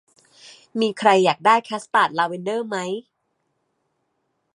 มีใครอยากได้คัสตาร์ดลาเวนเดอร์ไหม